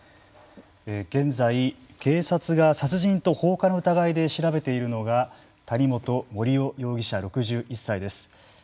現在、警察が殺人と放火の疑いで調べているのが谷本盛雄容疑者６１歳です。